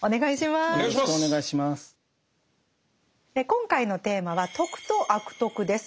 今回のテーマは「徳」と「悪徳」です。